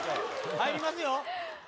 入りますよ、え？